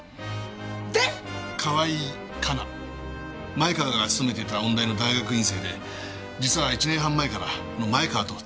前川が勤めていた音大の大学院生で実は１年半前から前川と付き合ってたそうです。